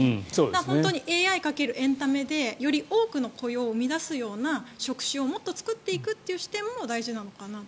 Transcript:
本当にＡＩ掛けるエンタメでより多くの雇用を生み出すような職種をもっと作っていくという視点も大事なのかなと。